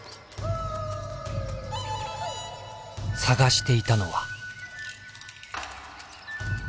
探していたのは。